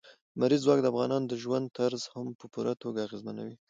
لمریز ځواک د افغانانو د ژوند طرز هم په پوره توګه اغېزمنوي.